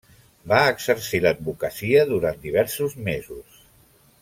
Va exercir l'advocacia durant diversos mesos.